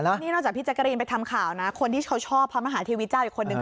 นี่นอกจากพี่แจ๊กรีนไปทำข่าวนะคนที่เขาชอบพระมหาเทวีเจ้าอีกคนนึง